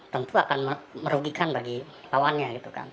tentu akan merugikan bagi lawannya